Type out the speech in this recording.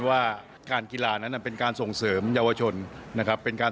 ว่าการกีฬานั้นเป็นการส่งเสริมเยาวชนนะครับเป็นการ